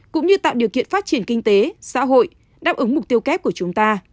cũng như tạo điều kiện phát triển kinh tế xã hội đáp ứng mục tiêu kép của chúng ta